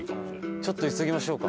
ちょっと急ぎましょうか。